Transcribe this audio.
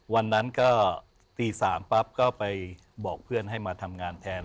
วันนั้นก็ตี๓ปั๊บก็ไปบอกเพื่อนให้มาทำงานแทน